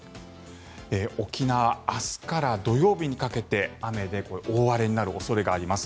沖縄、明日から土曜日にかけて雨で大荒れになる恐れがあります。